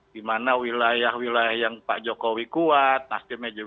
di mana wilayah wilayah yang pak jokowi kuat nasdemnya juga